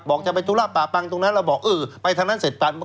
จะไปธุระป่าปังตรงนั้นแล้วบอกเออไปทางนั้นเสร็จปั่น